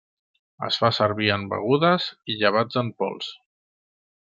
Es fa servir en begudes i llevats en pols.